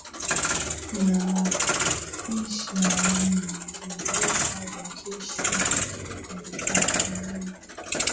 na afisa Mwingereza wa jeshi la kikoloni